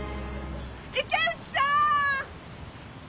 池内さーん！